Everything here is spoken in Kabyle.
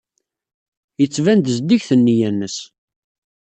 Yettban-d zeddiget neyya-nnes.